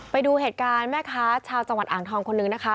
ไปดูเหตุการณ์แม่ค้าชาวจังหวัดอ่างทองคนนึงนะคะ